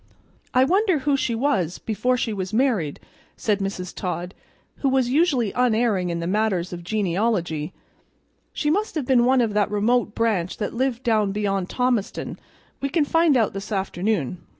"I wonder who she was before she was married?" said Mrs. Todd, who was usually unerring in matters of genealogy. "She must have been one of that remote branch that lived down beyond Thomaston. We can find out this afternoon.